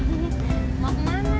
harusnya kan kemarin